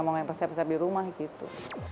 mau yang resep resep di rumah gitu